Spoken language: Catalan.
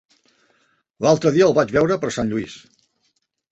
L'altre dia el vaig veure per Sant Lluís.